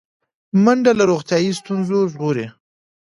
منډه له روغتیایي ستونزو ژغوري